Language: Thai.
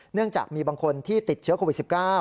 เนื่องจากมีบางคนที่ติดเชื้อโควิด๑๙